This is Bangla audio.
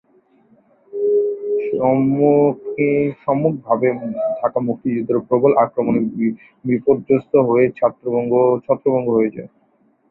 সম্মুখভাগে থাকা মুক্তিযোদ্ধারা প্রবল আক্রমণে বিপর্যস্ত হয়ে ছত্রভঙ্গ হয়ে যান।